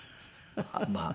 まあ。